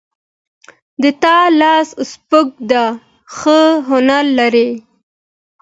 د تا لاس سپک ده ښه هنر لري